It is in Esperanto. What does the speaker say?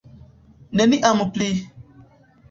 Neniam pli.